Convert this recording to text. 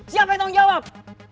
siapa yang tanggung jawab